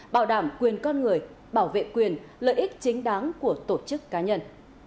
bảo đảm quyền con người bảo vệ quyền lợi ích chính đáng của tổ chức cá nhân